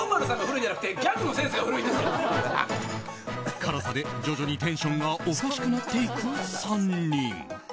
辛さで徐々にテンションがおかしくなっていく３人。